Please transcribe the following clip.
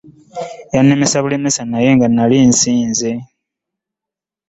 Yannemesa bulemesa naye nga nnali nsinze.